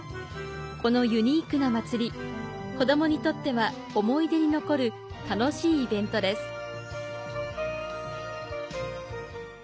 このユニークな祭り、子どもにとっては思い出に残る楽しいイベントです。